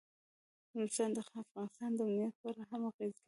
نورستان د افغانستان د امنیت په اړه هم اغېز لري.